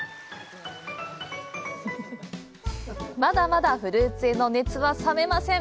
まだまだフルーツへの熱は冷めません。